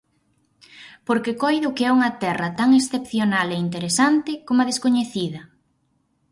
Porque coido que é unha terra tan excepcional e interesante coma descoñecida.